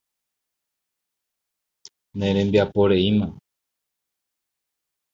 Nerembiaporeína.